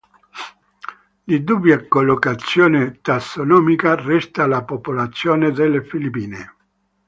Di dubbia collocazione tassonomica resta la popolazione delle Filippine.